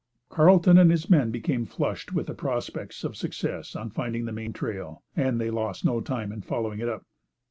Carleton and his men became flushed with the prospects of success on finding the main trail, and they lost no time in following it up.